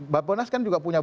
bapak nas kan juga punya